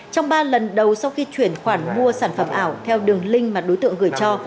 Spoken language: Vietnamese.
trong ba lần đầu sau khi chuyển khoản mua sản phẩm ảo theo đường link mà đối tượng gửi cho